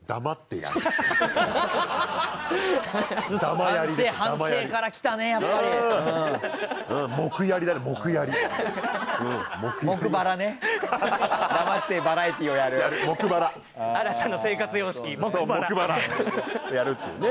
やるっていうね